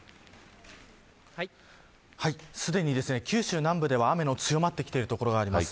すでに九州南部では、雨の強まっている所があります。